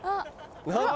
何だ？